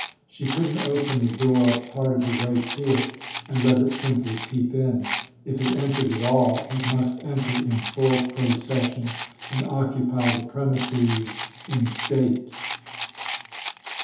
She couldn't open the door a part of the way to it and let it simply peep in; if it entered at all it must enter in full procession and occupy the premises in state.